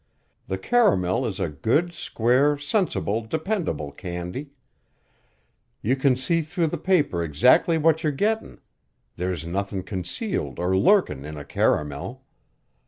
The caramel is a good, square, sensible, dependable candy. You can see through the paper exactly what you're gettin'. There's nothin' concealed or lurkin' in a caramel.